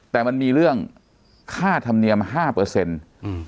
แต่มันมีเรื่องค่าธรรมเนียมห้าเปอร์เซ็นต์อืม